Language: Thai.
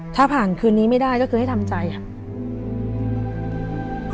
ถ้าผ่านคืนนี้ไม่ได้ก็คือให้ทำใจค่ะ